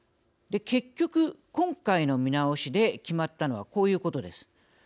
結局、今回の見直しで決まったのはこういうことです。